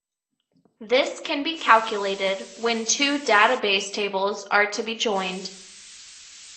This can be calculated when two database tables are to be joined.